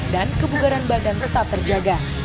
dan kebugaran badan tetap terjaga